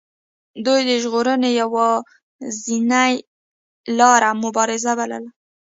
دوی د ژغورنې یوازینۍ لار مبارزه بلله.